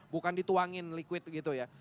bukan dituangin liquid gitu ya